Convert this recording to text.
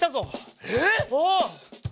えっ！？